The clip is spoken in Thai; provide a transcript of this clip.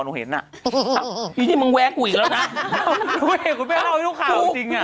อ่ะนี่มันแวะกูอีกแล้วไม่ให้คุณมาเล่าทุกข่าวจริง